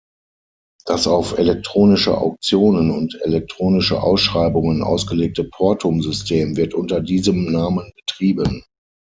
Das auf elektronische Auktionen und elektronische Ausschreibungen ausgelegte "Portum"-System wird unter diesem Namen betrieben.